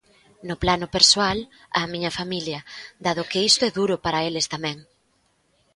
No plano persoal, á miña familia, dado que isto é duro para eles tamén.